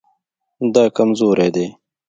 دا کمزوری دی